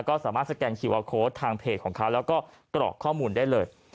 ก็สามารถสแกนคิวอลโค้ดทางเพจของเขาแล้วก็กรอกข้อมูลได้เลย